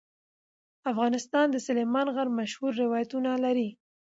افغانستان د سلیمان غر مشهور روایتونه لري.